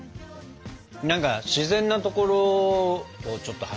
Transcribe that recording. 何か自然なところをちょっと走りたいよね。